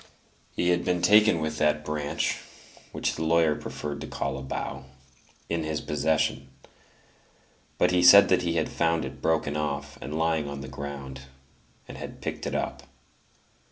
He had been taken with that branch (which the lawyer preferred to call a bough) in his possession; but he said that he had found it broken off and lying on the ground, and had picked it up.